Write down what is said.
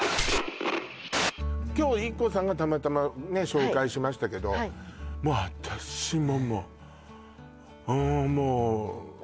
今日ＩＫＫＯさんがたまたま紹介しましたけどもう私ももうああ